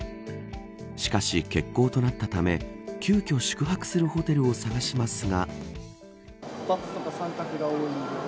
しかし、欠航となったため急きょ宿泊するホテルを探しますが。